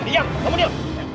diam kamu diam